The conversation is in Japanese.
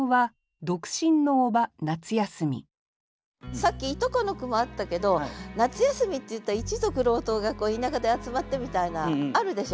さっきいとこの句もあったけど夏休みっていったら一族郎党が田舎で集まってみたいなあるでしょ？